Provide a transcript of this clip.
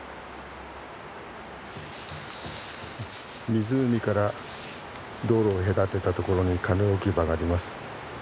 湖から道路を隔てた所にカヌー置き場があります。